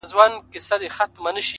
زغم د حکمت نښه ده